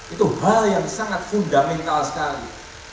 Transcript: itu hal yang sangat fundamental sekali